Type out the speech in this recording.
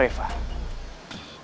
ada masalah apa reva